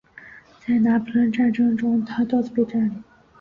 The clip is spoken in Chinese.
在拿破仑战争中它多次被占领。